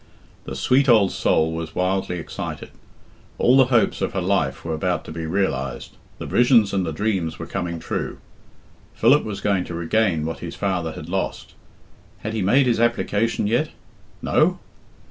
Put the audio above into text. The sweet old soul was wildly excited. All the hopes of her life were about to be realised, the visions and the dreams were coming true. Philip was going to regain what his father had lost. Had he made his application yet? No?